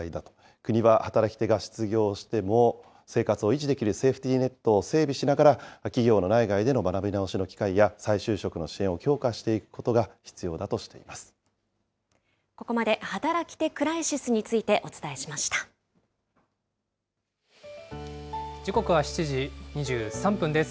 国は働き手が失業しても、生活を維持できるセーフティネットを整備しながら、企業の内外での学び直しの機会や再就職の支援を強化していくことが必要だとしていまここまで働き手クライシスに時刻は７時２３分です。